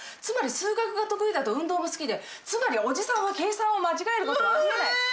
つまり数学が得意だと運動も好きでつまりおじさんは計算を間違える事はありえない。